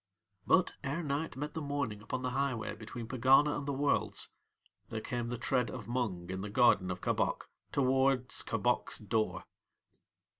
But, ere night met the morning upon the highway between Pegana and the Worlds, there came the tread of Mung in the garden of Kabok towards Kabok's door.